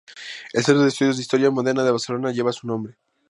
El Centro de Estudios de Historia Moderna de Barcelona lleva su nombre.